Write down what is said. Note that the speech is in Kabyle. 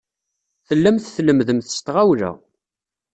Tellamt tlemmdemt s tɣawla.